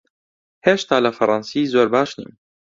هێشتا لە فەڕەنسی زۆر باش نیم.